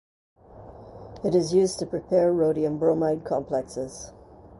It is used to prepare rhodium bromide complexes.